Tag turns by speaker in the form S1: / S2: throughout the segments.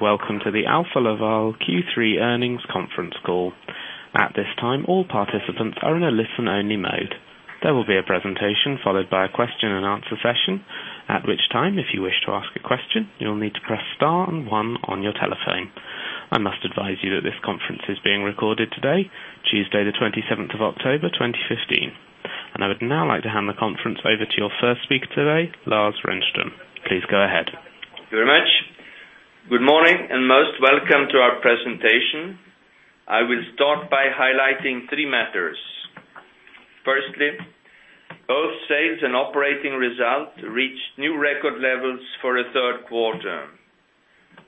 S1: Welcome to the Alfa Laval Q3 earnings conference call. At this time, all participants are in a listen-only mode. There will be a presentation followed by a question and answer session. At which time, if you wish to ask a question, you will need to press star and one on your telephone. I must advise you that this conference is being recorded today, Tuesday the 27th of October, 2015. I would now like to hand the conference over to your first speaker today, Lars Renström. Please go ahead.
S2: Thank you very much. Good morning, and most welcome to our presentation. I will start by highlighting three matters. Firstly, both sales and operating results reached new record levels for the third quarter.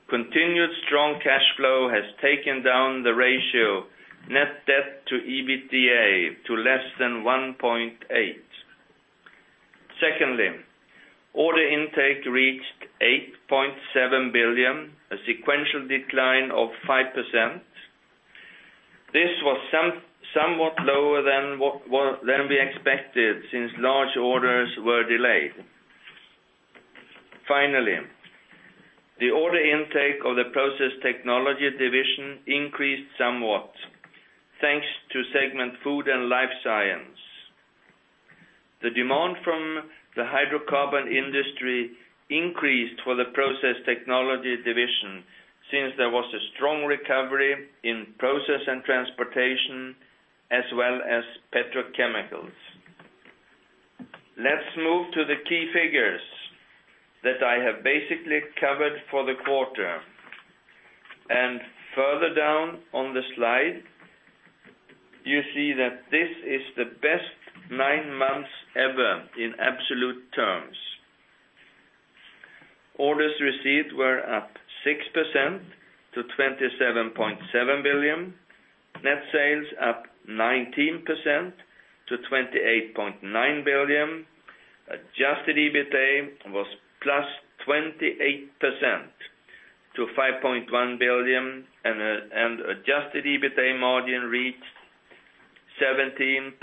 S2: Continued strong cash flow has taken down the ratio net debt to EBITDA to less than 1.8. Secondly, order intake reached 8.7 billion, a sequential decline of 5%. This was somewhat lower than we expected since large orders were delayed. Finally, the order intake of the Process Technology Division increased somewhat thanks to segment Food and Life Science. The demand from the hydrocarbon industry increased for the Process Technology Division since there was a strong recovery in process and transportation as well as petrochemicals. Let's move to the key figures that I have basically covered for the quarter. Further down on the slide, you see that this is the best nine months ever in absolute terms. Orders received were up 6% to 27.7 billion. Net sales up 19% to 28.9 billion. Adjusted EBITDA was +28% to 5.1 billion, and adjusted EBITDA margin reached 17.5%.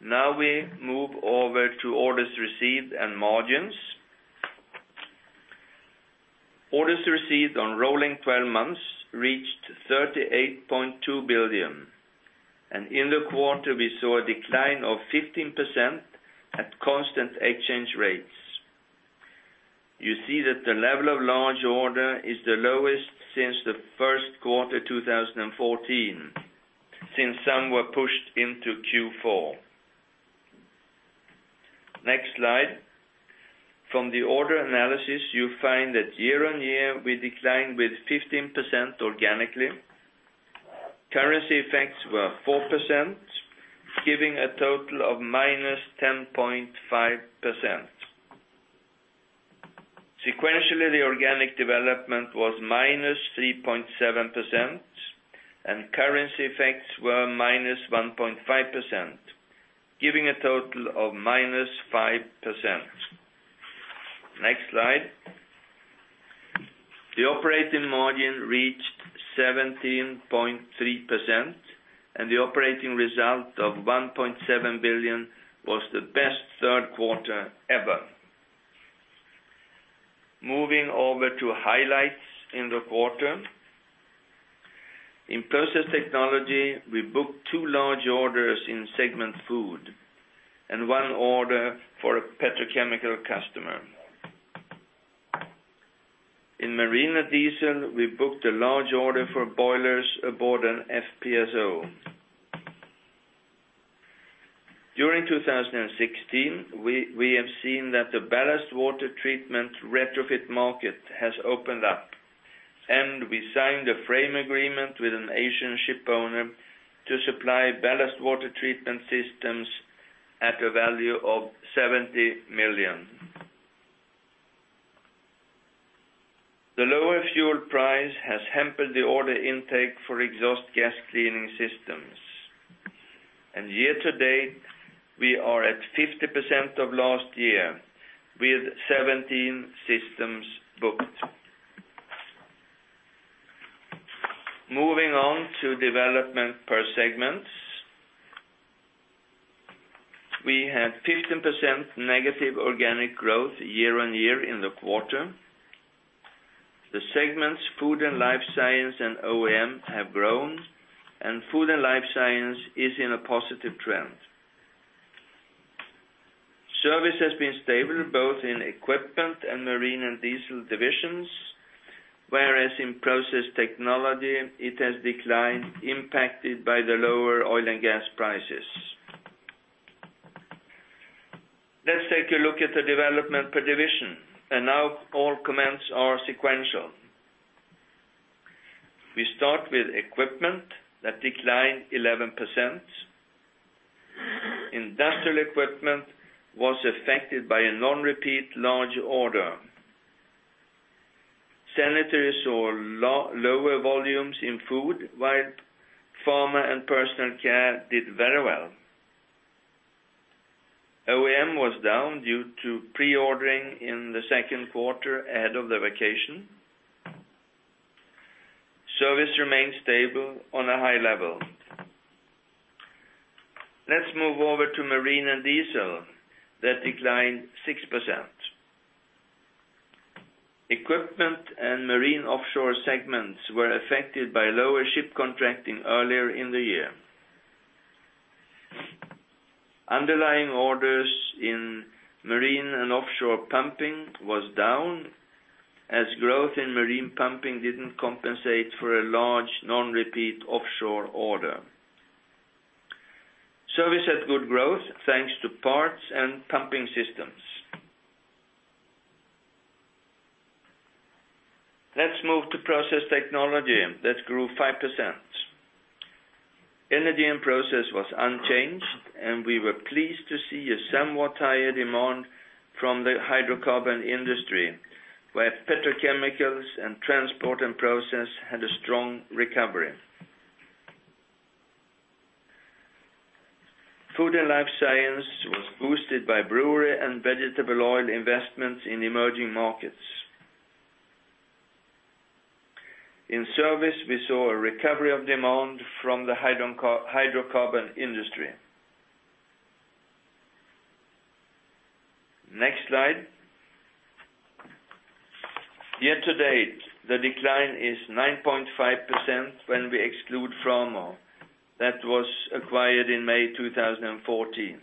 S2: Now we move over to orders received and margins. Orders received on rolling 12 months reached 38.2 billion. In the quarter we saw a decline of 15% at constant exchange rates. You see that the level of large order is the lowest since the first quarter 2014, since some were pushed into Q4. Next slide. From the order analysis, you find that year-on-year we declined with 15% organically. Currency effects were 4%, giving a total of -10.5%. Sequentially, the organic development was -3.7%, currency effects were -1.5%, giving a total of -5%. Next slide. The operating margin reached 17.3%, and the operating result of 1.7 billion was the best third quarter ever. Moving over to highlights in the quarter. In Process Technology, we booked two large orders in segment Food and one order for a petrochemical customer. In Marine and Diesel, we booked a large order for boilers aboard an FPSO. During 2016, we have seen that the ballast water treatment retrofit market has opened up, and we signed a frame agreement with an Asian ship owner to supply ballast water treatment systems at a value of 70 million. The lower fuel price has hampered the order intake for exhaust gas cleaning systems. Year to date, we are at 50% of last year with 17 systems booked. Moving on to development per segments. We had 15% negative organic growth year-on-year in the quarter. The segments Food and Life Science and OEM have grown, and Food and Life Science is in a positive trend. Service has been stable both in Equipment and Marine & Diesel Divisions, whereas in Process Technology, it has declined, impacted by the lower oil and gas prices. Let's take a look at the development per division. Now all comments are sequential. We start with Equipment that declined 11%. Industrial equipment was affected by a non-repeat large order. Sanitary saw lower volumes in food, while pharma and personal care did very well. OEM was down due to pre-ordering in the second quarter ahead of the vacation. Service remains stable on a high level. Let's move over to Marine & Diesel, that declined 6%. Equipment and Marine & Offshore segments were affected by lower ship contracting earlier in the year. Underlying orders in Marine & Offshore pumping was down, as growth in Marine pumping didn't compensate for a large non-repeat offshore order. Service had good growth, thanks to parts and pumping systems. Let's move to Process Technology that grew 5%. Energy and process was unchanged. We were pleased to see a somewhat higher demand from the hydrocarbon industry, where petrochemicals and transport and process had a strong recovery. Food and life science was boosted by brewery and vegetable oil investments in emerging markets. In service, we saw a recovery of demand from the hydrocarbon industry. Next slide. Year to date, the decline is 9.5% when we exclude Framo, that was acquired in May 2014.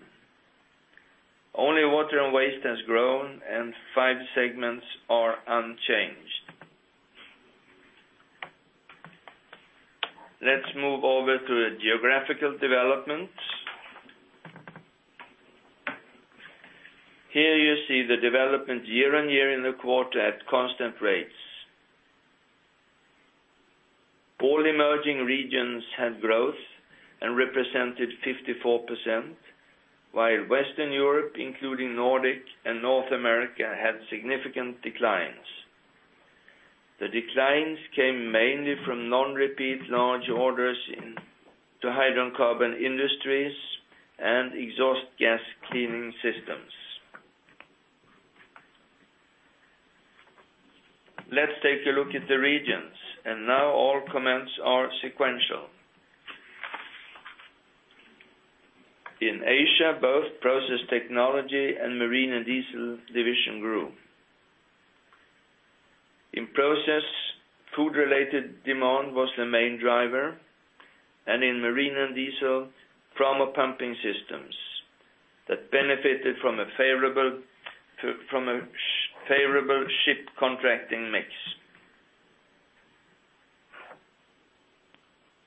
S2: Only water and waste has grown. Five segments are unchanged. Let's move over to the geographical development. Here you see the development year-on-year in the quarter at constant rates. All emerging regions had growth and represented 54%, while Western Europe, including Nordic and North America, had significant declines. The declines came mainly from non-repeat large orders in hydrocarbon industries and exhaust gas cleaning systems. Let's take a look at the regions. Now all comments are sequential. In Asia, both Process Technology and Marine & Diesel Division grew. In Process, food-related demand was the main driver. In Marine & Diesel, Framo pumping systems that benefited from a favorable ship contracting mix.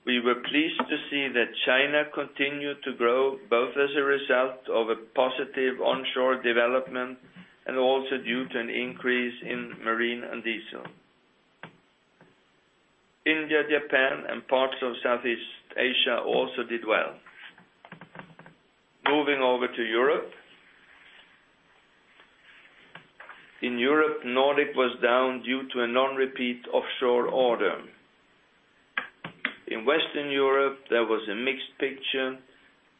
S2: We were pleased to see that China continued to grow, both as a result of a positive onshore development. Also due to an increase in Marine & Diesel. India, Japan, Parts of Southeast Asia also did well. Moving over to Europe. In Europe, Nordic was down due to a non-repeat offshore order. In Western Europe, there was a mixed picture.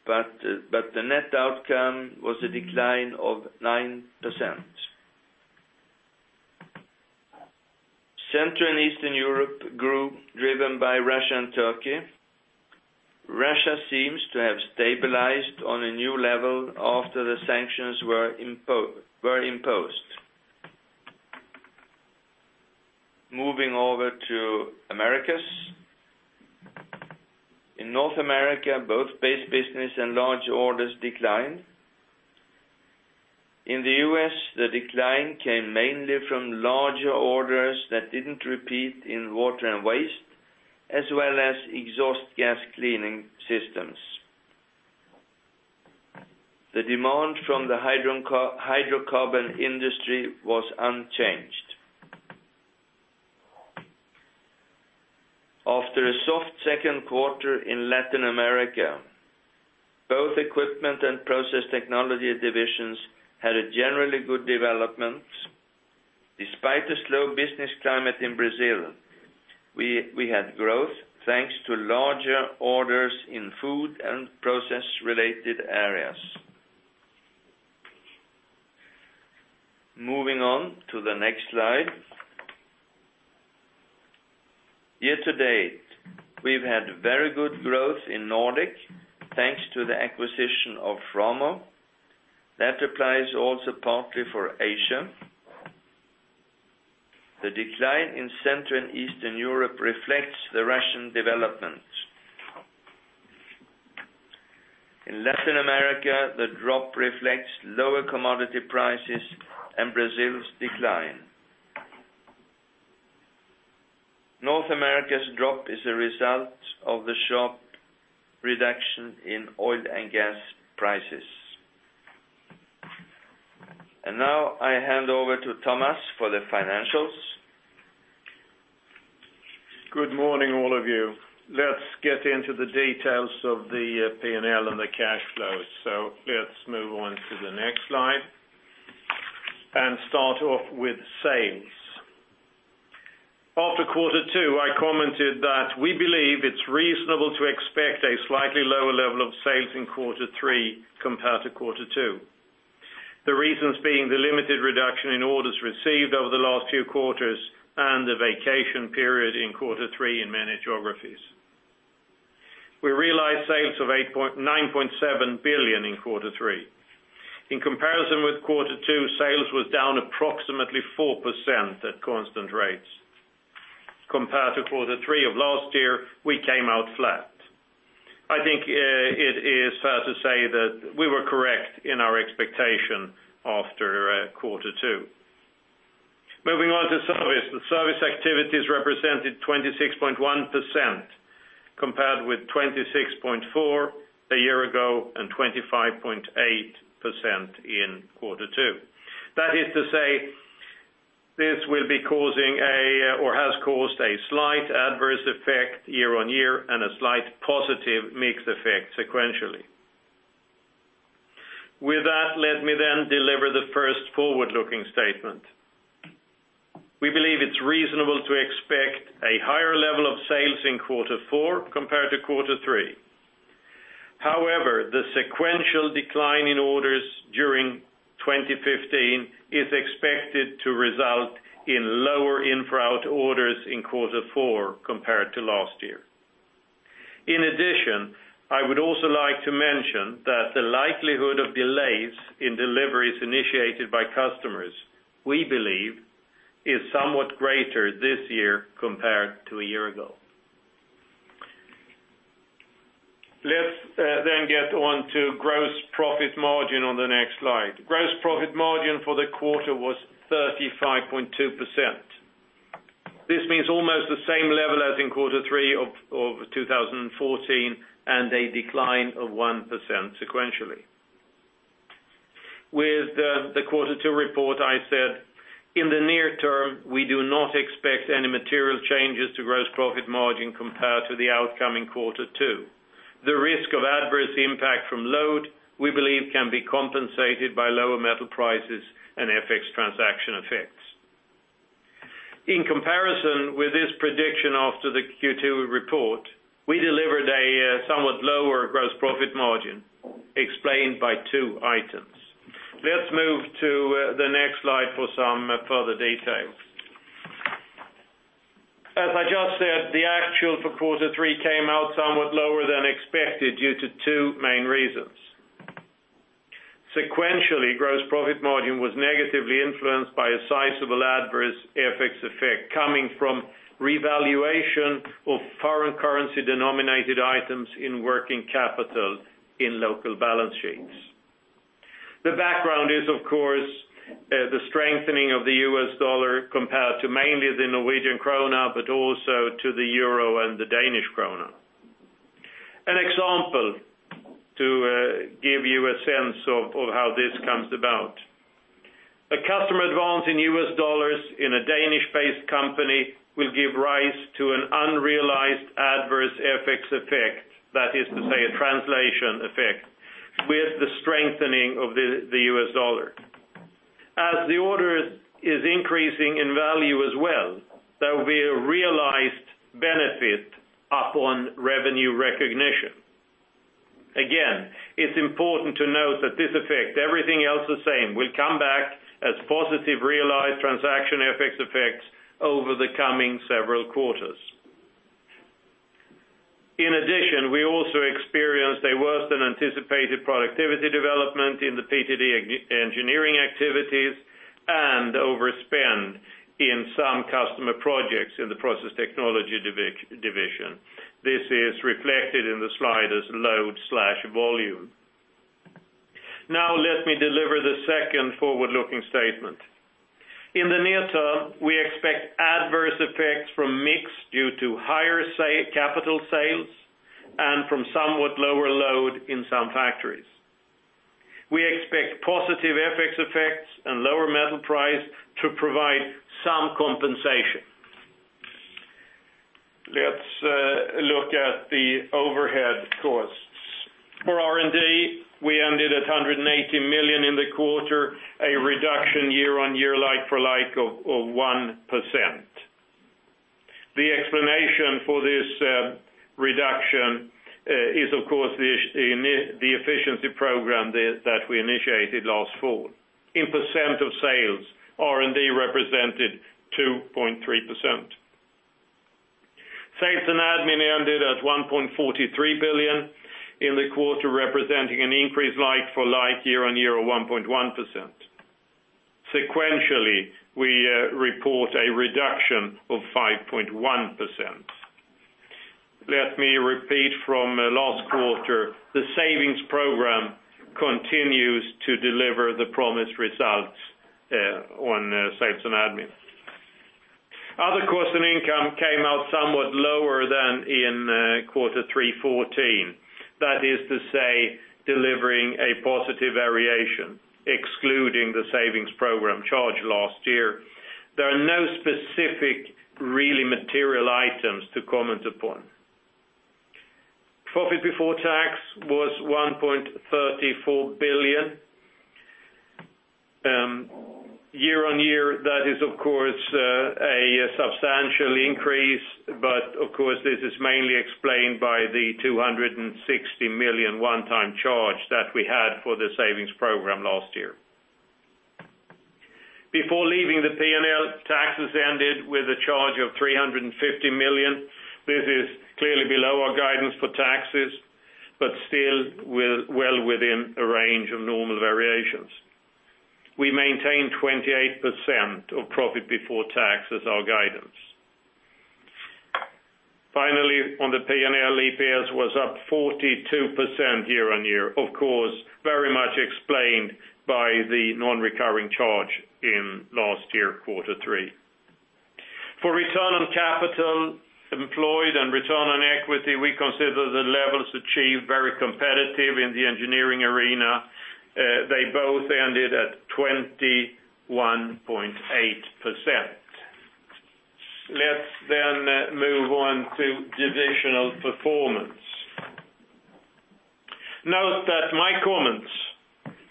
S2: The net outcome was a decline of 9%. Central and Eastern Europe grew, driven by Russia and Turkey. Russia seems to have stabilized on a new level after the sanctions were imposed. Moving over to Americas. In North America, both base business and large orders declined. In the U.S., the decline came mainly from larger orders that didn't repeat in water and waste, as well as exhaust gas cleaning systems. The demand from the hydrocarbon industry was unchanged. After a soft second quarter in Latin America, both Equipment and Process Technology Divisions had a generally good development. Despite the slow business climate in Brazil, we had growth, thanks to larger orders in food and process-related areas. Moving on to the next slide. Year to date, we've had very good growth in Nordic, thanks to the acquisition of Framo. That applies also partly for Asia. The decline in Central and Eastern Europe reflects the Russian development. In Latin America, the drop reflects lower commodity prices and Brazil's decline. North America's drop is a result of the sharp reduction in oil and gas prices. I hand over to Thomas for the financials.
S3: Good morning, all of you. Let's get into the details of the P&L and the cash flows. Let's move on to the next slide and start off with sales. After quarter two, I commented that we believe it's reasonable to expect a slightly lower level of sales in quarter three compared to quarter two. The reasons being the limited reduction in orders received over the last two quarters and the vacation period in quarter three in many geographies. We realized sales of 9.7 billion in quarter three. In comparison with quarter two, sales was down approximately 4% at constant rates. Compared to quarter three of last year, we came out flat. I think it is fair to say that we were correct in our expectation after quarter two. Moving on to service. The service activities represented 26.1%, compared with 26.4% a year ago and 25.8% in quarter two. That is to say, this will be causing, or has caused a slight adverse effect year-on-year and a slight positive mix effect sequentially. With that, let me deliver the first forward-looking statement. We believe it's reasonable to expect a higher level of sales in quarter four compared to quarter three. However, the sequential decline in orders during 2015 is expected to result in lower in-route orders in quarter four compared to last year. In addition, I would also like to mention that the likelihood of delays in deliveries initiated by customers, we believe, is somewhat greater this year compared to a year ago. Let's get on to gross profit margin on the next slide. Gross profit margin for the quarter was 35.2%. This means almost the same level as in quarter three of 2014, and a decline of 1% sequentially. With the quarter two report, I said, in the near term, we do not expect any material changes to gross profit margin compared to the outcoming quarter two. The risk of adverse impact from load, we believe, can be compensated by lower metal prices and FX transaction effects. In comparison with this prediction after the Q2 report, we delivered a somewhat lower gross profit margin explained by two items. Let's move to the next slide for some further details. As I just said, the actual for quarter three came out somewhat lower than expected due to two main reasons. Sequentially, gross profit margin was negatively influenced by a sizable adverse FX effect coming from revaluation of foreign currency denominated items in working capital in local balance sheets. The background is, of course, the strengthening of the U.S. dollar compared to mainly the Norwegian krone, but also to the euro and the Danish krone. An example to give you a sense of how this comes about. A customer advance in U.S. dollars in a Danish-based company will give rise to an unrealized adverse FX effect. That is to say, a translation effect with the strengthening of the U.S. dollar. As the order is increasing in value as well, there will be a realized benefit upon revenue recognition. Again, it is important to note that this effect, everything else the same, will come back as positive realized transaction FX effects over the coming several quarters. We also experienced a worse than anticipated productivity development in the PTD engineering activities and overspend in some customer projects in the Process Technology Division. This is reflected in the slide as load/volume. Let me deliver the second forward-looking statement. In the near term, we expect adverse effects from mix due to higher CapEx sales and from somewhat lower load in some factories. We expect positive FX effects and lower metal price to provide some compensation. Let's look at the overhead costs. For R&D, we ended at 180 million in the quarter, a reduction year-on-year like for like of 1%. The explanation for this reduction is, of course, the efficiency program that we initiated last fall. In percent of sales, R&D represented 2.3%. Sales and admin ended at 1.43 billion in the quarter, representing an increase like for like year-on-year of 1.1%. Sequentially, we report a reduction of 5.1%. Let me repeat from last quarter, the savings program continues to deliver the promised results on sales and admin. Other costs and income came out somewhat lower than in quarter three 2014. That is to say, delivering a positive variation, excluding the savings program charge last year. There are no specific really material items to comment upon. Profit before tax was 1.34 billion. Year-on-year, that is, of course, substantial increase, this is mainly explained by the 260 million one-time charge that we had for the savings program last year. Before leaving the P&L, taxes ended with a charge of 350 million. This is clearly below our guidance for taxes, still well within a range of normal variations. We maintained 28% of profit before tax as our guidance. On the P&L, EPS was up 42% year-on-year. Of course, very much explained by the non-recurring charge in last year, quarter three. For return on capital employed and return on equity, we consider the levels achieved very competitive in the engineering arena. They both ended at 21.8%. Let's then move on to divisional performance. Note that my comments,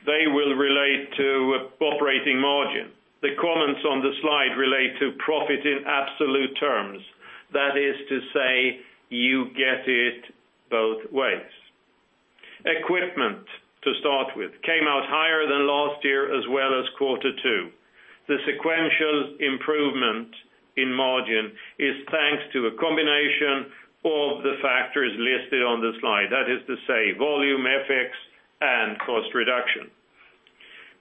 S3: they will relate to operating margin. The comments on the slide relate to profit in absolute terms. That is to say you get it both ways. Equipment, to start with, came out higher than last year as well as quarter two. The sequential improvement in margin is thanks to a combination of the factors listed on the slide. That is to say volume, FX, and cost reduction.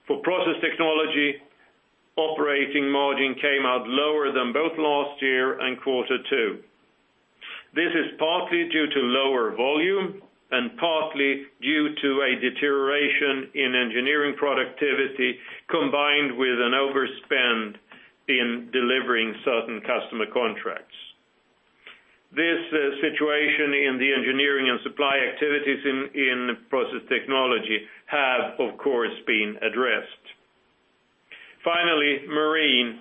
S3: For Process Technology Division, operating margin came out lower than both last year and quarter two. This is partly due to lower volume and partly due to a deterioration in engineering productivity, combined with an overspend in delivering certain customer contracts. This situation in the Engineering & Supply activities in Process Technology Division have, of course, been addressed. Marine.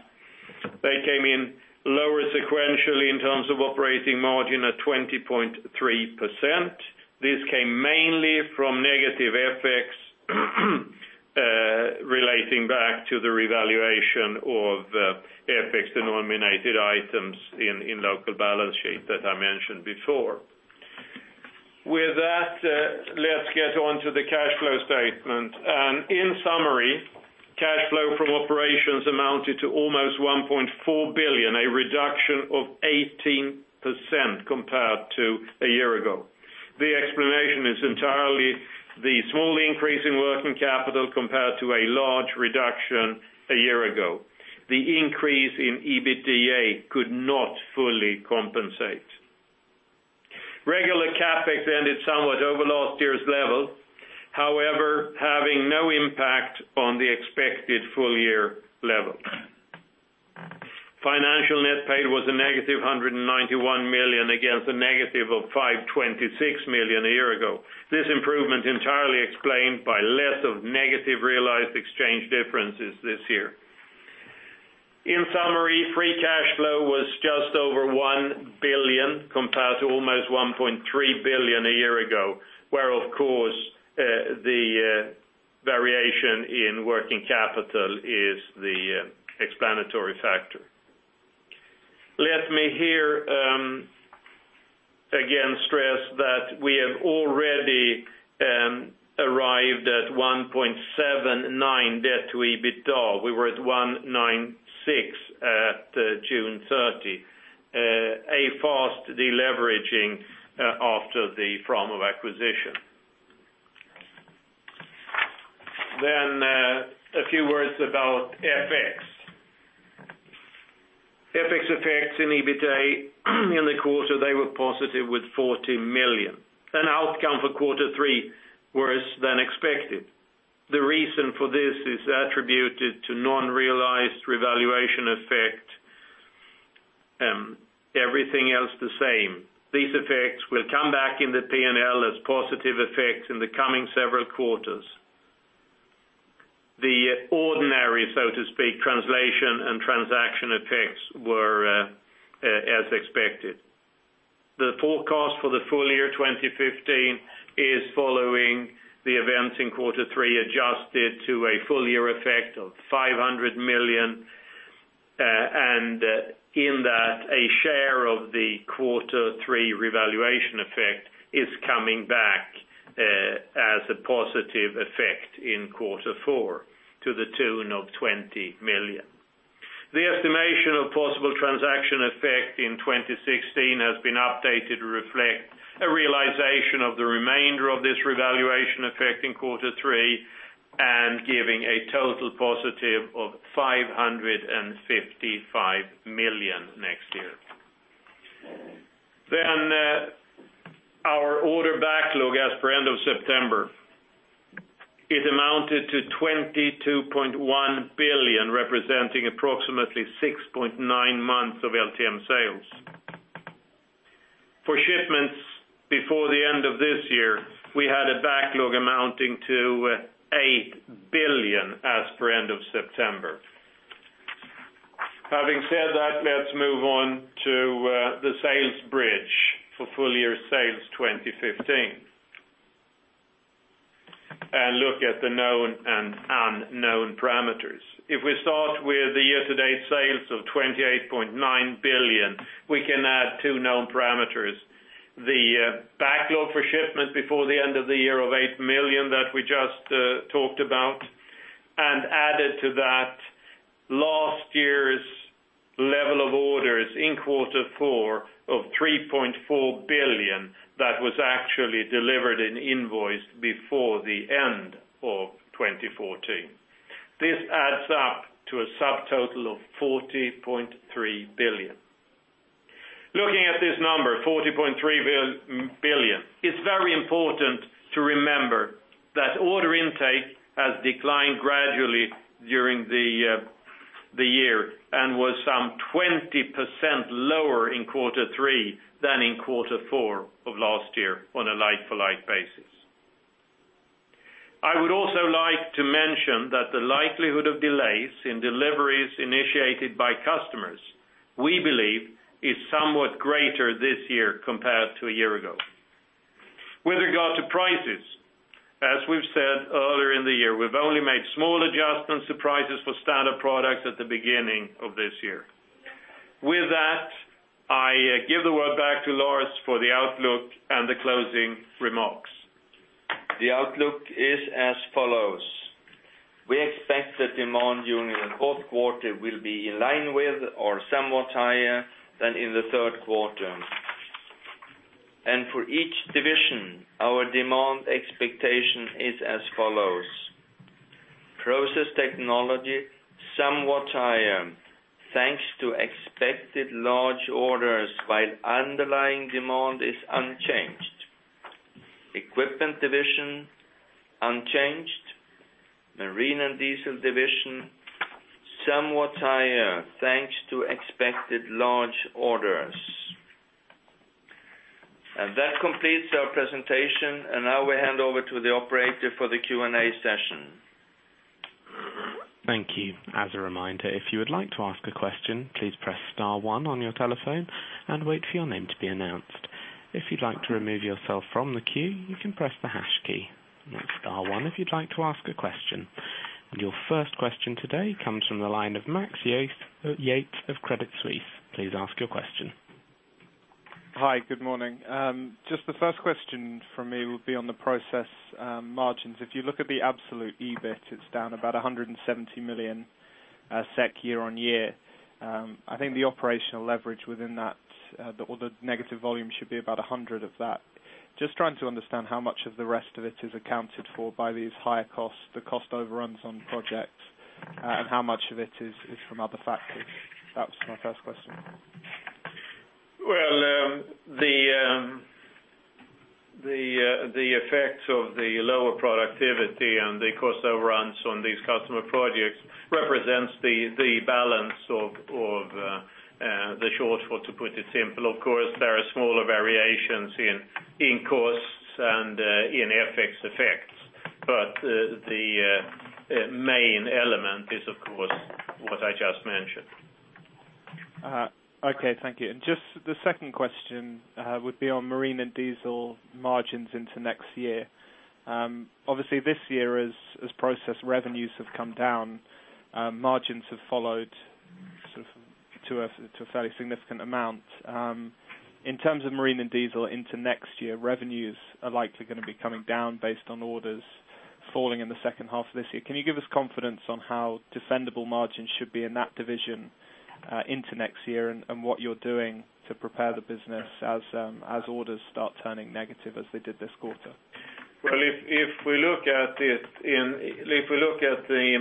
S3: They came in lower sequentially in terms of operating margin of 20.3%. This came mainly from negative FX, relating back to the revaluation of FX-denominated items in local balance sheet that I mentioned before. With that, let's get on to the cash flow statement. In summary, cash flow from operations amounted to almost 1.4 billion, a reduction of 18% compared to a year ago. The explanation is entirely the small increase in working capital compared to a large reduction a year ago. The increase in EBITDA could not fully compensate. Regular CapEx ended somewhat over last year's level. However, having no impact on the expected full-year level. Financial net paid was a negative 191 million against a negative of 526 million a year ago. This improvement entirely explained by less of negative realized exchange differences this year. In summary, free cash flow was just over 1 billion, compared to almost 1.3 billion a year ago, where, of course, the variation in working capital is the explanatory factor. Let me here again stress that we have already arrived at 1.79x debt to EBITDA. We were at 1.96x at June 30. A fast deleveraging after the Framo acquisition. A few words about FX. FX effects in EBITDA in the quarter, they were positive with 40 million. An outcome for quarter three, worse than expected. The reason for this is attributed to non-realized revaluation effect, everything else the same. These effects will come back in the P&L as positive effects in the coming several quarters. The ordinary, so to speak, translation and transaction effects were as expected. The forecast for the full year 2015 is following the events in quarter three, adjusted to a full-year effect of 500 million, and in that, a share of the quarter three revaluation effect is coming back as a positive effect in quarter four, to the tune of 20 million. The estimation of possible transaction effect in 2016 has been updated to reflect a realization of the remainder of this revaluation effect in quarter three and giving a total positive of 555 million next year. Our order backlog as per end of September. It amounted to 22.1 billion, representing approximately 6.9 months of LTM sales. For shipments before the end of this year, we had a backlog amounting to 8 billion as per end of September. Having said that, let's move on to the sales bridge for full-year sales 2015. Unknown parameters. If we start with the year-to-date sales of 28.9 billion, we can add two known parameters. The backlog for shipment before the end of the year of 8 billion that we just talked about, and added to that, last year's level of orders in quarter four of 3.4 billion, that was actually delivered and invoiced before the end of 2014. This adds up to a subtotal of 40.3 billion. Looking at this number, 40.3 billion, it's very important to remember that order intake has declined gradually during the year, and was some 20% lower in quarter three than in quarter four of last year on a like-for-like basis. I would also like to mention that the likelihood of delays in deliveries initiated by customers, we believe, is somewhat greater this year compared to a year ago. With regard to prices, as we've said earlier in the year, we've only made small adjustments to prices for standard products at the beginning of this year. With that, I give the word back to Lars for the outlook and the closing remarks.
S2: The outlook is as follows. We expect that demand during the fourth quarter will be in line with, or somewhat higher than in the third quarter. For each division, our demand expectation is as follows. Process Technology Division, somewhat higher, thanks to expected large orders, while underlying demand is unchanged. Equipment Division, unchanged. Marine & Diesel Division, somewhat higher, thanks to expected large orders. That completes our presentation, and now we hand over to the operator for the Q&A session.
S1: Thank you. As a reminder, if you would like to ask a question, please press star one on your telephone and wait for your name to be announced. If you'd like to remove yourself from the queue, you can press the hash key. Star one if you'd like to ask a question. Your first question today comes from the line of Max Yates of Credit Suisse. Please ask your question.
S4: Hi, good morning. Just the first question from me will be on the process margins. If you look at the absolute EBIT, it's down about 170 million SEK year-on-year. I think the operational leverage within that, or the negative volume, should be about 100 million of that. Just trying to understand how much of the rest of it is accounted for by these higher costs, the cost overruns on projects, and how much of it is from other factors. That was my first question.
S3: Well, the effects of the lower productivity and the cost overruns on these customer projects represents the balance of the shortfall, to put it simply. Of course, there are smaller variations in costs and in FX effects, but the main element is, of course, what I just mentioned.
S4: Okay, thank you. Just the second question would be on Marine and Diesel margins into next year. Obviously, this year as Process revenues have come down, margins have followed to a fairly significant amount. In terms of Marine and Diesel into next year, revenues are likely going to be coming down based on orders falling in the second half of this year. Can you give us confidence on how defendable margins should be in that division into next year, and what you're doing to prepare the business as orders start turning negative as they did this quarter?
S3: Well, if we look at the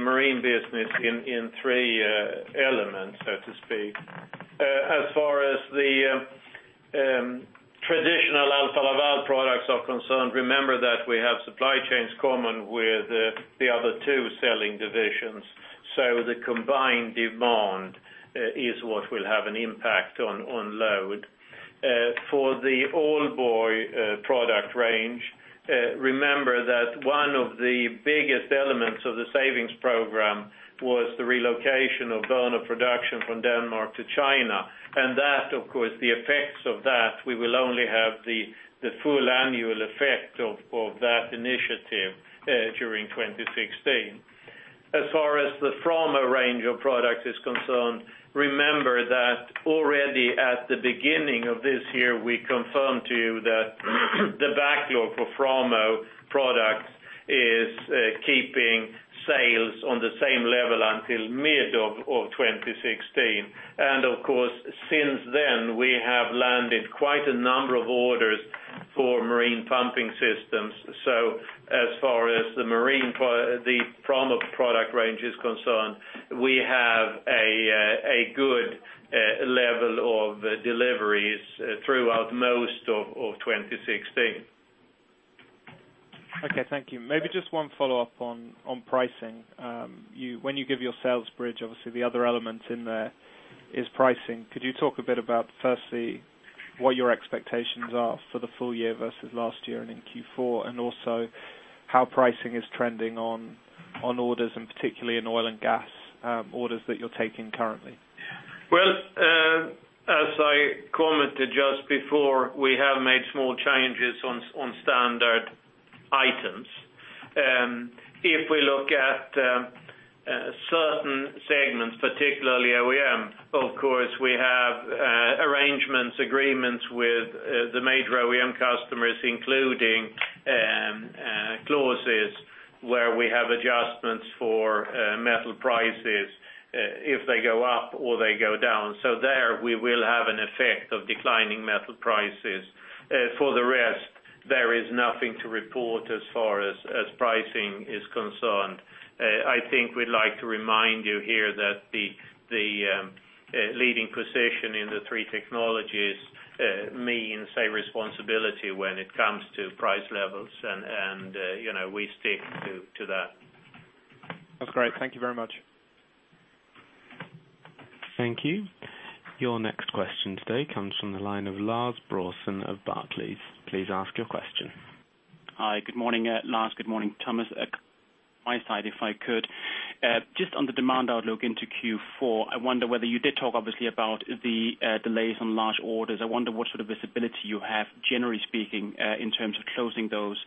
S3: marine business in three elements, so to speak, as far as the traditional Alfa Laval products are concerned, remember that we have supply chains common with the other two selling divisions. The combined demand is what will have an impact on load. For the Aalborg product range, remember that one of the biggest elements of the savings program was the relocation of burner production from Denmark to China. That, of course, the effects of that, we will only have the full annual effect of that initiative during 2016. As far as the Framo range of products is concerned, remember that already at the beginning of this year, we confirmed to you that the backlog for Framo products is keeping sales on the same level until mid of 2016. Of course, since then, we have landed quite a number of orders for marine pumping systems. As far as the Framo product range is concerned, we have a good level of deliveries throughout most of 2016.
S4: Okay, thank you. Maybe just one follow-up on pricing. When you give your sales bridge, obviously the other element in there is pricing. Could you talk a bit about, firstly, what your expectations are for the full year versus last year and in Q4, and also how pricing is trending on orders, and particularly in oil and gas orders that you're taking currently?
S3: Well, as I commented just before, we have made small changes on standard items. If we look at certain segments, particularly OEM, of course, we have arrangements, agreements with the major OEM customers, including clauses where we have adjustments for metal prices if they go up or they go down. There we will have an effect of declining metal prices. For the rest, there is nothing to report as far as pricing is concerned. I think we'd like to remind you here that the leading position in the three technologies means a responsibility when it comes to price levels, and we stick to that.
S4: That's great. Thank you very much.
S1: Thank you. Your next question today comes from the line of Lars Brorson of Barclays. Please ask your question.
S5: Hi, good morning, Lars. Good morning, Thomas. My side, if I could. Just on the demand outlook into Q4, I wonder whether you did talk, obviously, about the delays on large orders. I wonder what sort of visibility you have, generally speaking, in terms of closing those.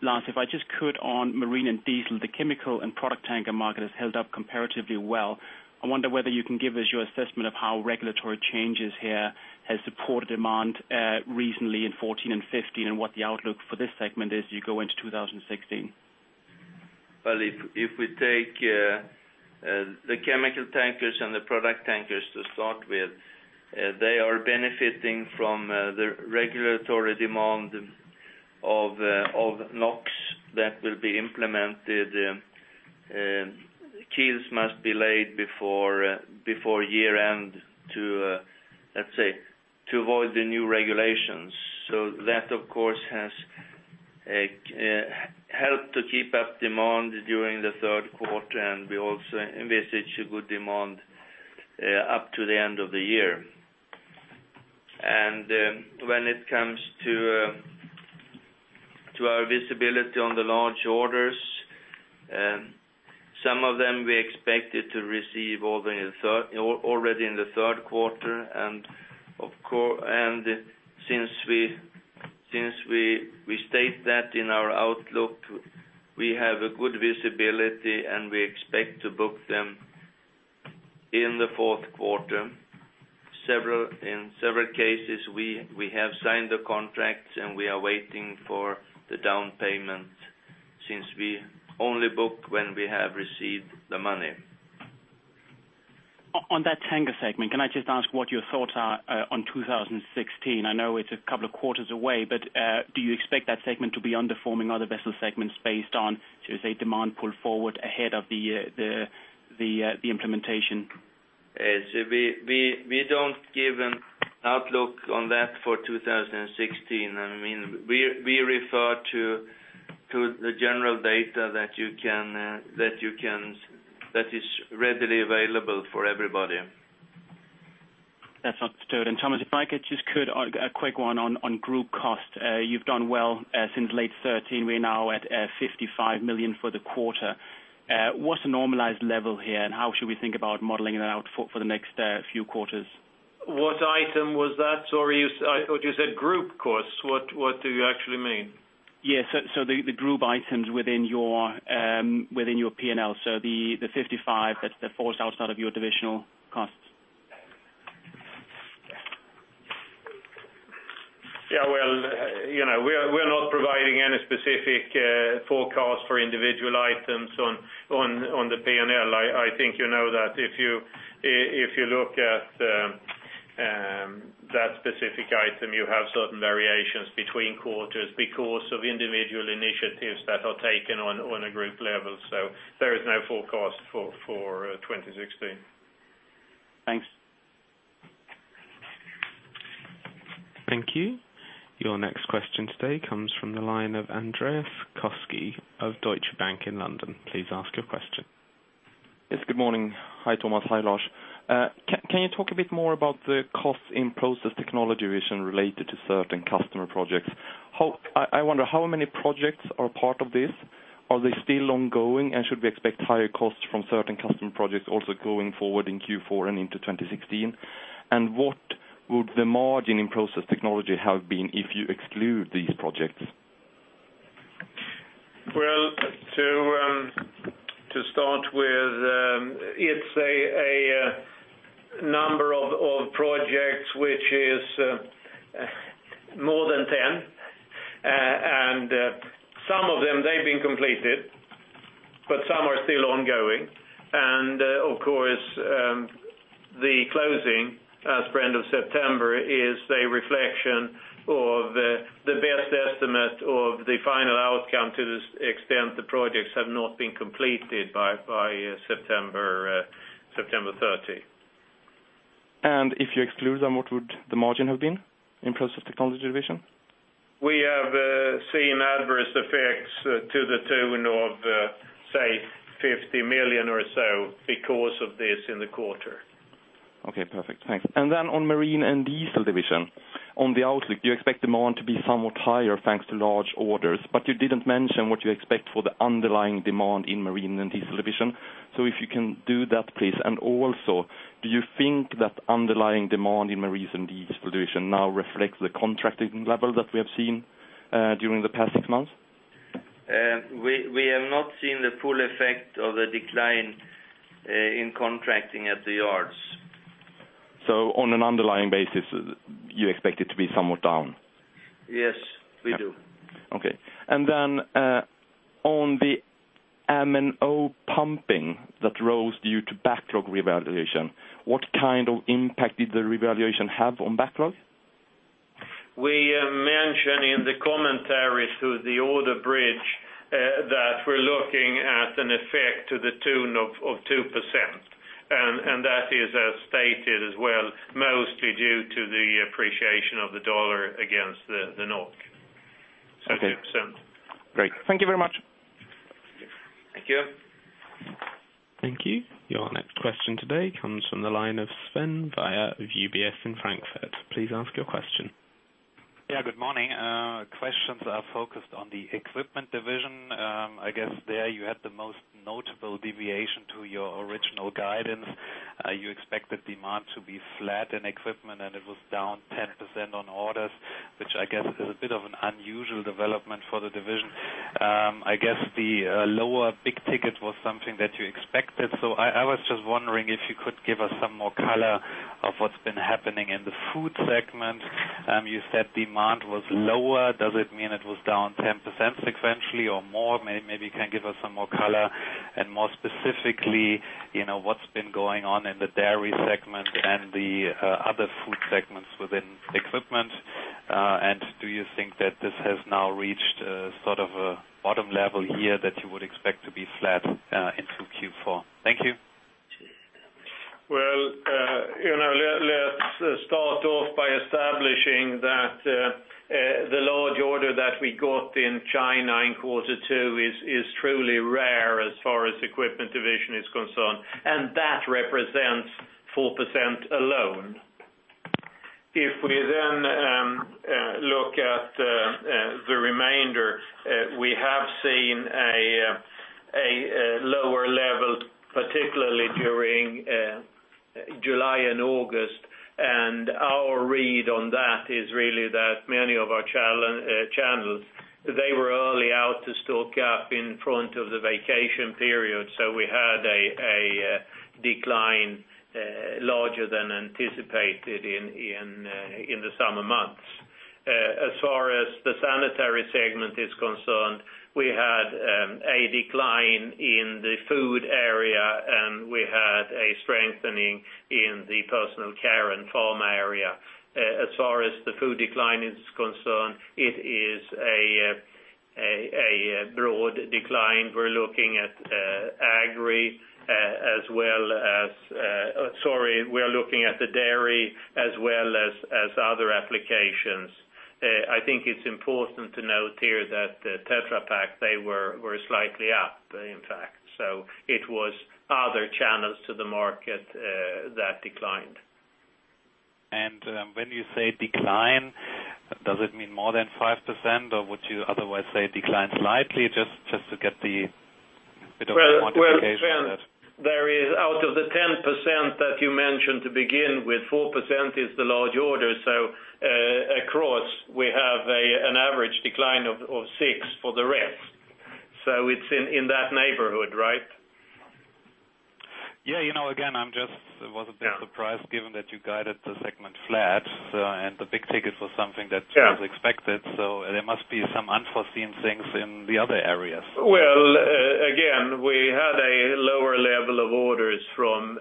S5: Lars, if I just could on Marine and Diesel, the chemical and product tanker market has held up comparatively well. I wonder whether you can give us your assessment of how regulatory changes here has supported demand recently in 2014 and 2015, and what the outlook for this segment is as you go into 2016.
S3: Well, if we take the chemical tankers and the product tankers to start with, they are benefiting from the regulatory demand of NOx that will be implemented. Keels must be laid before year-end to, let's say, to avoid the new regulations. That, of course, has helped to keep up demand during the third quarter, and we also envisage a good demand up to the end of the year. When it comes to our visibility on the large orders, some of them we expected to receive already in the third quarter. Since we state that in our outlook, we have a good visibility, and we expect to book them in the fourth quarter. In several cases, we have signed the contracts, and we are waiting for the down payment, since we only book when we have received the money.
S5: On that tanker segment, can I just ask what your thoughts are on 2016? I know it's a couple of quarters away, but do you expect that segment to be underperforming other vessel segments based on, should we say, demand pull forward ahead of the implementation?
S3: We don't give an outlook on that for 2016. We refer to the general data that is readily available for everybody.
S5: That's understood. Thomas, if I just could, a quick one on group cost. You've done well since late 2013. We're now at 55 million for the quarter. What's the normalized level here, and how should we think about modeling it out for the next few quarters?
S3: What item was that? Sorry, I thought you said group costs. What do you actually mean?
S5: Yeah, the group items within your P&L. The 55 that falls outside of your divisional costs.
S3: Yeah, well, we're not providing any specific forecast for individual items on the P&L. I think you know that if you look at that specific item, you have certain variations between quarters because of individual initiatives that are taken on a group level. There is no forecast for 2016.
S5: Thanks.
S1: Thank you. Your next question today comes from the line of Andreas Koski of Deutsche Bank in London. Please ask your question.
S6: Yes, good morning. Hi, Thomas. Hi, Lars. Can you talk a bit more about the cost in Process Technology related to certain customer projects? I wonder how many projects are part of this. Are they still ongoing, and should we expect higher costs from certain customer projects also going forward in Q4 and into 2016? What would the margin in Process Technology have been if you exclude these projects?
S3: Well, to start with, it's a number of projects which is more than 10. Some of them, they've been completed, but some are still ongoing. Of course, the closing as per end of September is a reflection of the best estimate of the final outcome to the extent the projects have not been completed by September 30.
S6: If you exclude them, what would the margin have been in Process Technology Division?
S3: We have seen adverse effects to the tune of, say, 50 million or so because of this in the quarter.
S6: Okay, perfect. Thanks. On Marine & Diesel Division. On the outlook, do you expect demand to be somewhat higher thanks to large orders? You didn't mention what you expect for the underlying demand in Marine & Diesel Division. If you can do that, please. Do you think that underlying demand in Marine & Diesel Division now reflects the contracting level that we have seen during the past six months?
S3: We have not seen the full effect of the decline in contracting at the yards.
S6: On an underlying basis, you expect it to be somewhat down?
S3: Yes, we do.
S6: Okay. On the M&O pumping that rose due to backlog revaluation, what kind of impact did the revaluation have on backlog?
S3: We mentioned in the commentary to the order bridge that we are looking at an effect to the tune of 2%. That is as stated as well, mostly due to the appreciation of the U.S. dollar against the NOK.
S6: Okay.
S3: 2%.
S6: Great. Thank you very much.
S3: Thank you.
S1: Thank you. Your next question today comes from the line of Sven Weier UBS in Frankfurt. Please ask your question.
S7: Yeah, good morning. Questions are focused on the Equipment Division. I guess there you had the most notable deviation to your original guidance. You expected demand to be flat in equipment, and it was down 10% on orders, which I guess is a bit of an unusual development for the division. I guess the lower big ticket was something that you expected. I was just wondering if you could give us some more color of what's been happening in the food segment. You said demand was lower. Does it mean it was down 10% sequentially or more? Maybe you can give us some more color, and more specifically what's been going on in the dairy segment and the other food segments within equipment. Do you think that this has now reached a bottom level here that you would expect to be flat into Q4? Thank you.
S3: Well, let's start off by establishing that the large order that we got in China in quarter two is truly rare as far as Equipment Division is concerned, and that represents 4% alone. If we look at the remainder, we have seen a lower level, particularly during July and August. Our read on that is really that many of our channels, they were early out to stock up in front of the vacation period. We had a decline larger than anticipated in the summer months. As far as the sanitary segment is concerned, we had a decline in the food area, and we had a strengthening in the personal care and pharma area. As far as the food decline is concerned, it is a broad decline. We are looking at the dairy, as well as other applications. I think it's important to note here that Tetra Pak, they were slightly up, in fact. It was other channels to the market that declined.
S7: When you say decline, does it mean more than 5% or would you otherwise say declined slightly? Just to get the bit of quantification on it.
S3: Well, Sven, out of the 10% that you mentioned, to begin with, 4% is the large order. Across, we have an average decline of six for the rest. It's in that neighborhood, right?
S7: Yeah. Again, I was a bit surprised given that you guided the segment flat, the big ticket was something that.
S3: Yeah
S7: was expected. There must be some unforeseen things in the other areas.
S3: Well, again, we had a lower level of orders from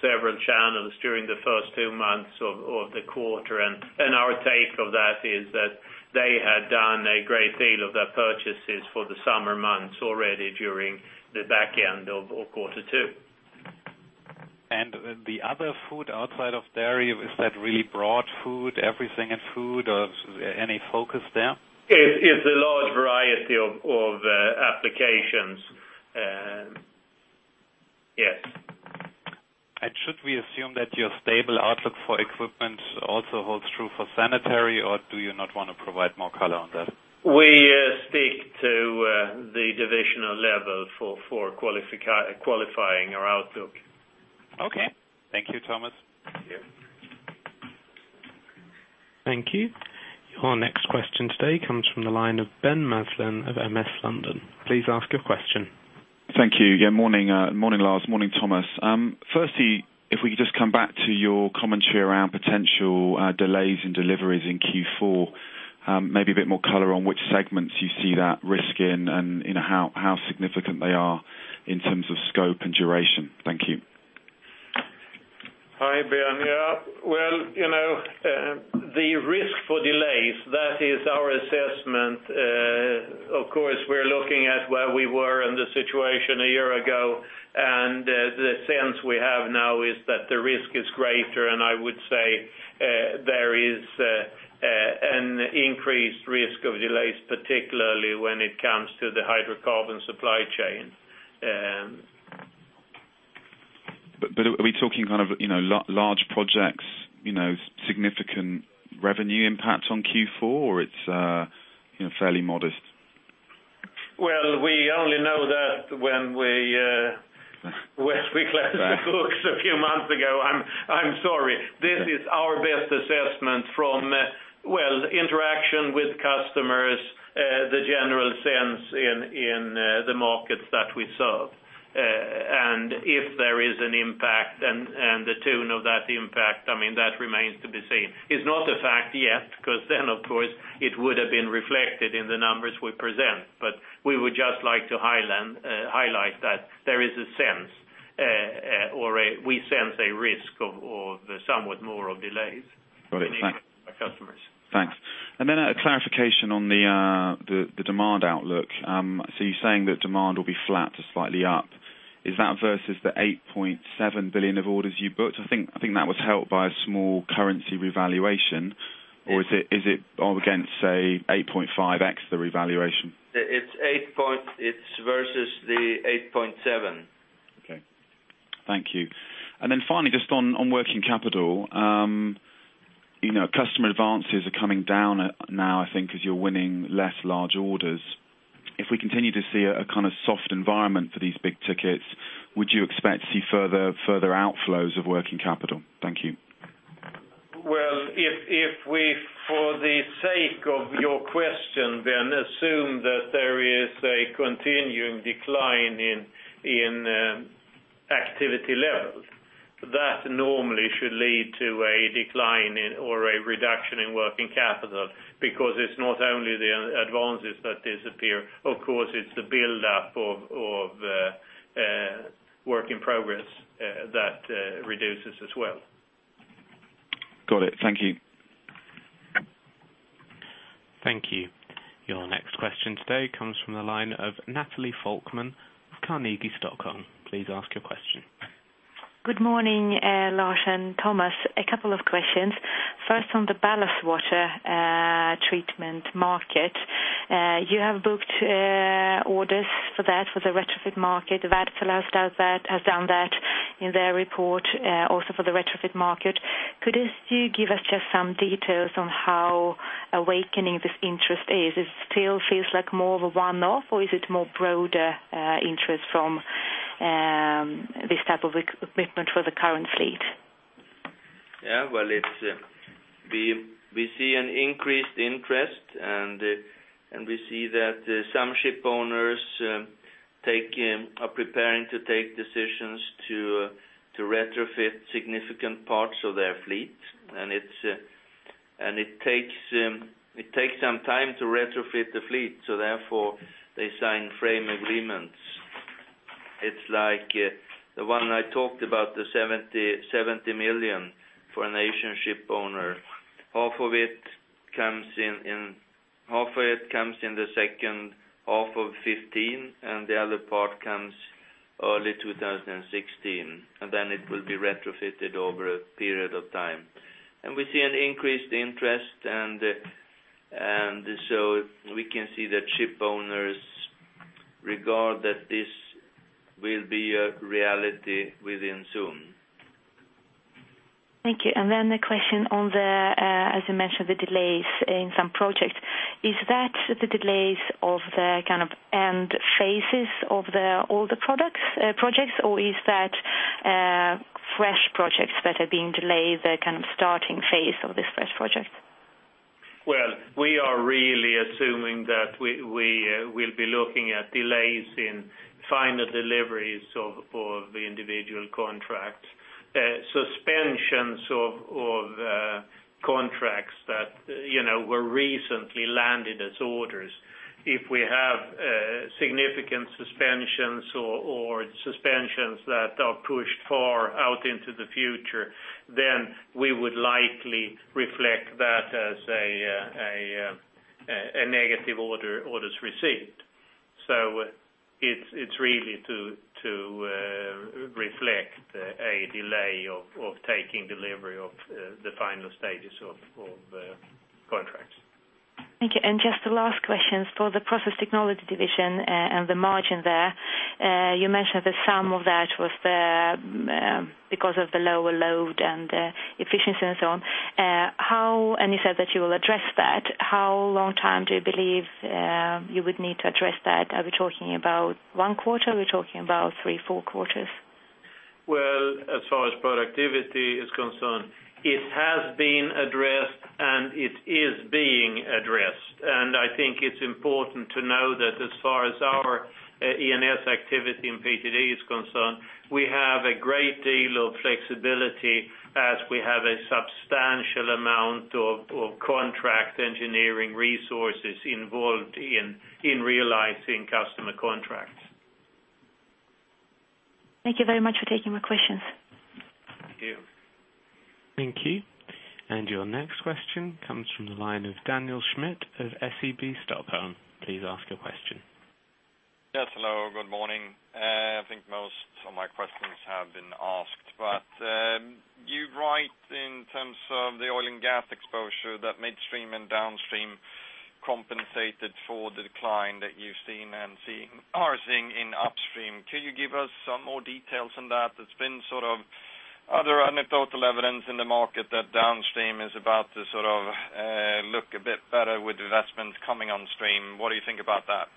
S3: several channels during the first two months of the quarter, our take of that is that they had done a great deal of their purchases for the summer months already during the back end of quarter two.
S7: The other food outside of dairy, is that really broad food, everything in food or any focus there?
S3: It's a large variety of applications. Yes.
S7: Should we assume that your stable outlook for equipment also holds true for sanitary, or do you not want to provide more color on that?
S3: We speak to the divisional level for qualifying our outlook.
S7: Okay. Thank you, Thomas.
S3: Yeah.
S1: Thank you. Your next question today comes from the line of Ben Maslen of Morgan Stanley. Please ask your question.
S8: Thank you. Yeah, morning Lars, morning Thomas. Firstly, if we could just come back to your commentary around potential delays in deliveries in Q4. Maybe a bit more color on which segments you see that risk in, and how significant they are in terms of scope and duration. Thank you.
S3: Hi, Ben. Yeah. Well, the risk for delays, that is our assessment. Of course, we're looking at where we were in the situation a year ago, and the sense we have now is that the risk is greater, and I would say there is an increased risk of delays, particularly when it comes to the hydrocarbon supply chain.
S8: Are we talking large projects, significant revenue impact on Q4? Or it's fairly modest?
S3: Well, we only know that when we closed the books a few months ago. I am sorry. This is our best assessment from interaction with customers, the general sense in the markets that we serve. If there is an impact and the tune of that impact, that remains to be seen. It is not a fact yet, because then, of course, it would have been reflected in the numbers we present, we would just like to highlight that there is a sense, or we sense a risk of somewhat more of delays-
S8: Got it. Thanks
S3: from our customers.
S8: Thanks. Then a clarification on the demand outlook. You are saying that demand will be flat to slightly up. Is that versus the 8.7 billion of orders you booked? I think that was helped by a small currency revaluation. Is it against, say, 8.5x, the revaluation?
S3: It's versus the 8.7.
S8: Okay. Thank you. Finally, just on working capital. Customer advances are coming down now, I think, because you're winning less large orders. If we continue to see a kind of soft environment for these big tickets, would you expect to see further outflows of working capital? Thank you.
S3: Well, if we, for the sake of your question, assume that there is a continuing decline in activity levels, that normally should lead to a decline or a reduction in working capital, because it's not only the advances that disappear, of course, it's the buildup of work in progress that reduces as well.
S8: Got it. Thank you.
S1: Thank you. Your next question today comes from the line of Natalie Falkman of Carnegie. Please ask your question.
S9: Good morning, Lars and Thomas. A couple of questions. First, on the ballast water treatment market. You have booked orders for that, for the retrofit market. Wärtsilä has done that in their report, also for the retrofit market. Could you give us just some details on how awakening this interest is? It still feels like more of a one-off, or is it more broader interest from this type of equipment for the current fleet?
S3: Yeah. We see an increased interest, we see that some ship owners are preparing to take decisions to retrofit significant parts of their fleet. It takes some time to retrofit the fleet, so therefore, they sign frame agreements. It's like the one I talked about, the 70 million for an Asian ship owner. Half of it comes in the second half of 2015, the other part comes early 2016. It will be retrofitted over a period of time. We see an increased interest, so we can see that ship owners regard that this will be a reality within soon.
S9: Thank you. Then a question on the, as you mentioned, the delays in some projects. Is that the delays of the end phases of the older projects, or is that fresh projects that are being delayed, the starting phase of this fresh project?
S2: Well, we are really assuming that we'll be looking at delays in final deliveries of the individual contracts. Suspensions of contracts that were recently landed as orders. If we have significant suspensions or suspensions that are pushed far out into the future, then we would likely reflect that as a negative orders received. It's really to reflect a delay of taking delivery of the final stages of contracts.
S9: Thank you. Just a last question. For the Process Technology Division and the margin there, you mentioned that some of that was because of the lower load and efficiency and so on. You said that you will address that. How long time do you believe you would need to address that? Are we talking about one quarter? Are we talking about three, four quarters?
S3: Well, as far as productivity is concerned, it has been addressed, and it is being addressed. I think it's important to know that as far as our E&S activity in PTD is concerned, we have a great deal of flexibility, as we have a substantial amount of contract engineering resources involved in realizing customer contracts.
S9: Thank you very much for taking my questions.
S3: Thank you.
S1: Thank you. Your next question comes from the line of Daniel Schmidt of SEB Stockholm. Please ask your question.
S10: Yes. Hello. Good morning. I think most of my questions have been asked. Right. In terms of the oil and gas exposure, that midstream and downstream compensated for the decline that you're seeing and are seeing in upstream. Can you give us some more details on that? There's been other anecdotal evidence in the market that downstream is about to look a bit better with investments coming on stream. What do you think about that?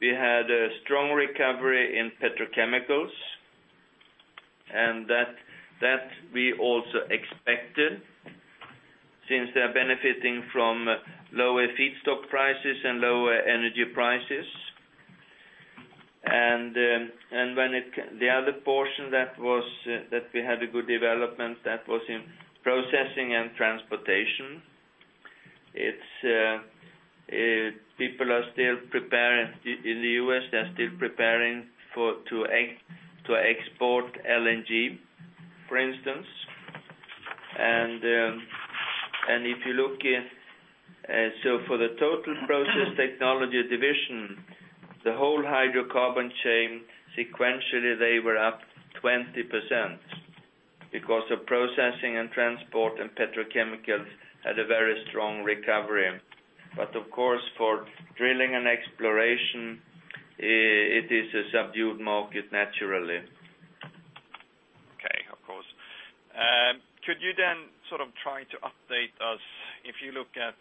S2: We had a strong recovery in petrochemicals, that we also expected, since they are benefiting from lower feedstock prices and lower energy prices. The other portion that we had a good development, that was in processing and transportation. People are still preparing, in the U.S., they are still preparing to export LNG, for instance. For the total Process Technology Division, the whole hydrocarbon chain, sequentially, they were up 20% because of processing and transport, petrochemicals had a very strong recovery. Of course, for drilling and exploration, it is a subdued market naturally.
S10: Okay. Of course. Could you then try to update us, if you look at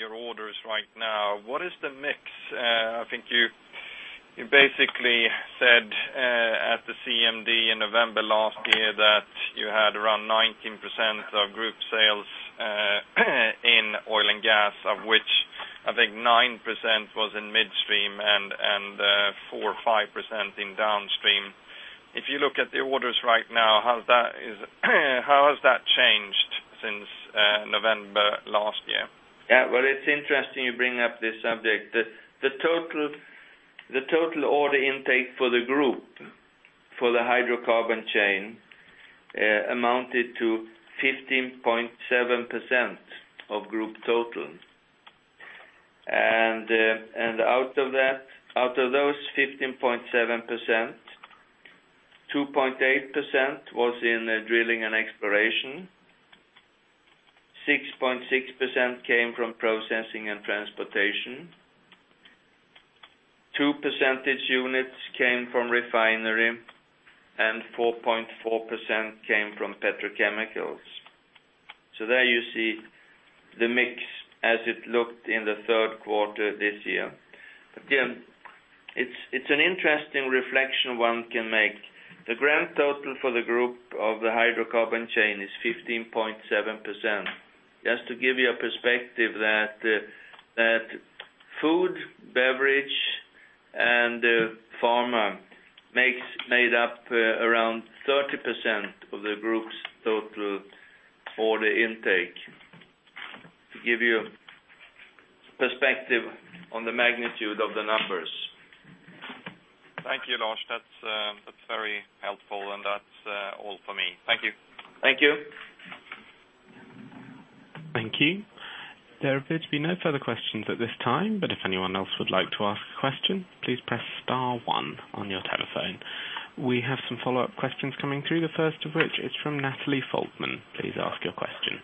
S10: your orders right now, what is the mix? I think you basically said, at the CMD in November last year, that you had around 19% of group sales in oil and gas, of which, I think 9% was in midstream and 4% or 5% in downstream. If you look at the orders right now, how has that changed since November last year?
S2: It's interesting you bring up this subject. The total order intake for the group for the hydrocarbon chain, amounted to 15.7% of group total. Out of those 15.7%, 2.8% was in drilling and exploration, 6.6% came from processing and transportation, 2 percentage units came from refinery, and 4.4% came from petrochemicals. There you see the mix as it looked in the third quarter this year. Again, it's an interesting reflection one can make. The grand total for the group of the hydrocarbon chain is 15.7%. Just to give you a perspective that food, beverage, and pharma made up around 30% of the group's total order intake, to give you perspective on the magnitude of the numbers.
S10: Thank you, Lars. That's very helpful, that's all for me. Thank you.
S2: Thank you.
S1: Thank you. There appear to be no further questions at this time, if anyone else would like to ask a question, please press star one on your telephone. We have some follow-up questions coming through. The first of which is from Natalie Falkman. Please ask your question.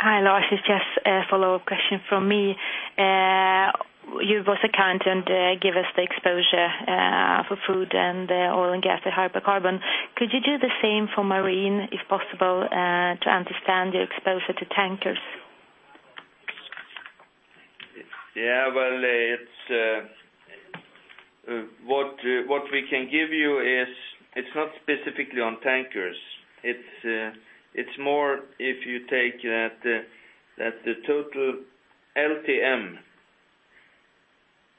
S9: Hi, Lars. It is just a follow-up question from me. You have also counted and give us the exposure for food and oil and gas and hydrocarbon. Could you do the same for marine, if possible, to understand your exposure to tankers?
S2: What we can give you is, it is not specifically on tankers. It is more if you take that the total LTM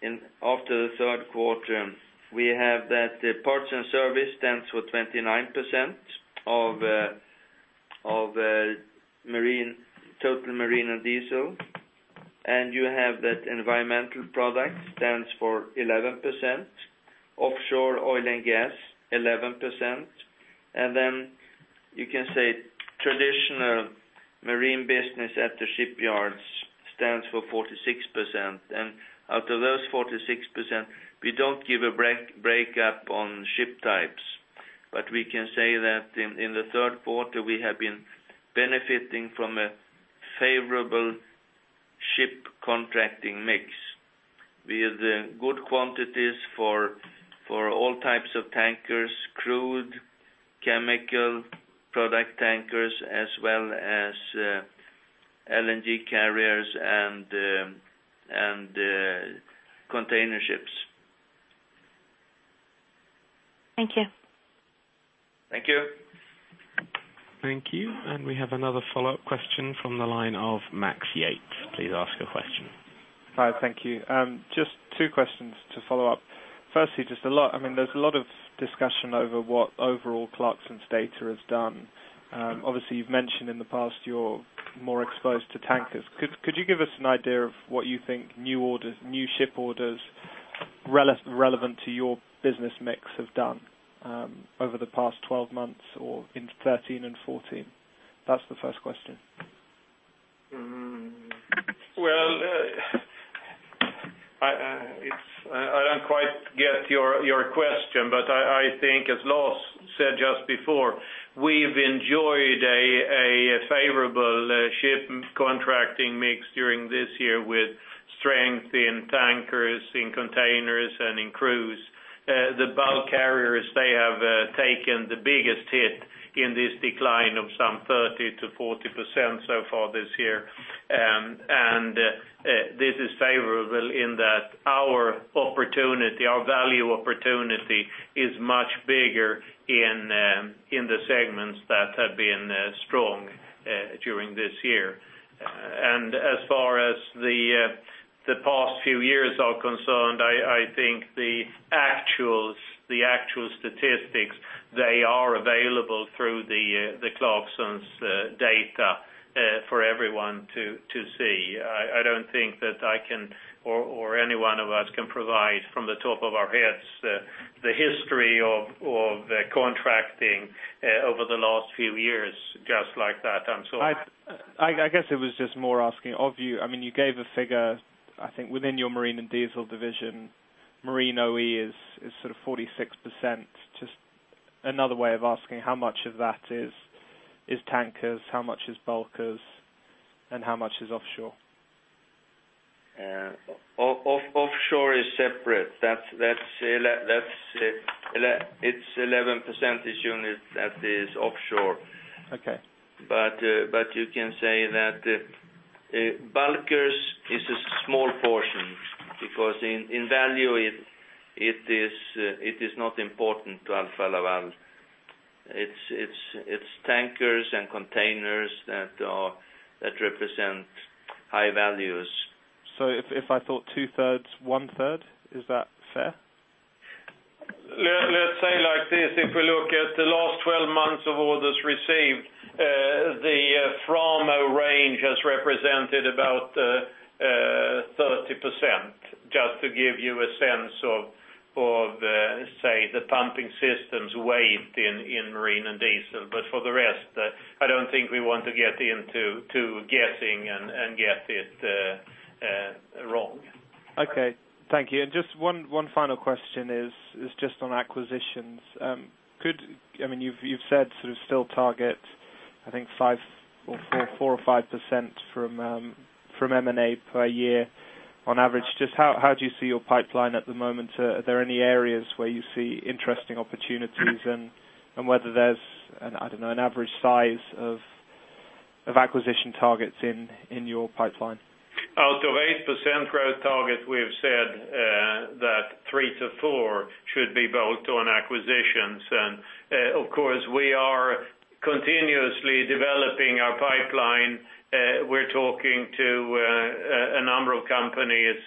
S2: after the third quarter, we have that parts and service stands for 29% of total marine and diesel. You have that environmental products stands for 11%, offshore oil and gas, 11%. Then you can say traditional marine business at the shipyards stands for 46%. Out of those 46%, we do not give a breakup on ship types. We can say that in the third quarter, we have been benefiting from a favorable ship contracting mix with good quantities for all types of tankers: crude, chemical, product tankers, as well as LNG carriers and container ships.
S9: Thank you.
S2: Thank you.
S1: Thank you. We have another follow-up question from the line of Max Yates. Please ask your question.
S4: Hi. Thank you. Just two questions to follow up. Firstly, there's a lot of discussion over what overall Clarksons data has done. Obviously, you've mentioned in the past you're more exposed to tankers. Could you give us an idea of what you think new ship orders relevant to your business mix have done over the past 12 months or into 2013 and 2014? That's the first question.
S3: I don't quite get your question, but I think as Lars said just before, we've enjoyed a favorable ship contracting mix during this year with strength in tankers, in containers, and in cruise. The bulk carriers, they have taken the biggest hit in this decline of some 30%-40% so far this year. This is favorable in that our value opportunity is much bigger in the segments that have been strong during this year. As far as the past few years are concerned, I think the actual statistics, they are available through the Clarksons data for everyone to see. I don't think that I can or any one of us can provide from the top of our heads, the history of the contracting over the last few years, just like that. I'm sorry.
S4: I guess it was just more asking of you. You gave a figure, I think, within your Marine & Diesel Division, marine OEM is 46%. Just another way of asking how much of that is tankers, how much is bulkers, and how much is offshore?
S3: Offshore is separate. It's 11 percentage points that is offshore.
S4: Okay.
S3: You can say that bulkers is a small portion because in value it is not important to Alfa Laval. It's tankers and containers that represent high values.
S4: If I thought two-thirds, one-third, is that fair?
S3: Let's say like this, if we look at the last 12 months of orders received, the Framo range has represented about 30%, just to give you a sense of, say, the pumping system's weight in Marine & Diesel. For the rest, I don't think we want to get into guessing and get it wrong.
S4: Okay. Thank you. Just one final question is just on acquisitions. You've said you still target, I think 4% or 5% from M&A per year on average. Just how do you see your pipeline at the moment? Are there any areas where you see interesting opportunities and whether there's, I don't know, an average size of acquisition targets in your pipeline?
S3: Out of 8% growth target, we have said that three to four should be built on acquisitions. Of course, we are continuously developing our pipeline. We're talking to a number of companies.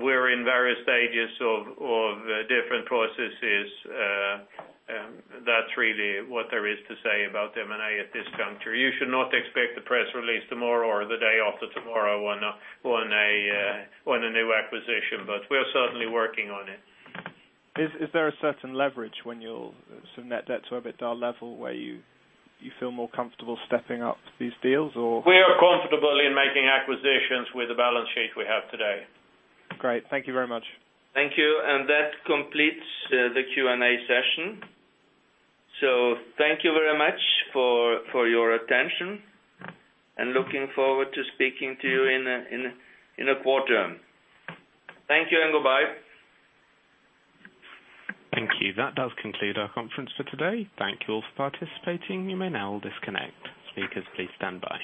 S3: We're in various stages of different processes. That's really what there is to say about M&A at this juncture. You should not expect a press release tomorrow or the day after tomorrow on a new acquisition, we're certainly working on it.
S4: Is there a certain leverage when so net debt to EBITDA level, where you feel more comfortable stepping up these deals or?
S3: We are comfortable in making acquisitions with the balance sheet we have today.
S4: Great. Thank you very much.
S3: Thank you. That completes the Q&A session. Thank you very much for your attention, and looking forward to speaking to you in a quarter. Thank you, and goodbye.
S1: Thank you. That does conclude our conference for today. Thank you all for participating. You may now disconnect. Speakers, please stand by